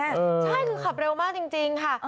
ใช่คือขับเร็วมากจริงค่ะ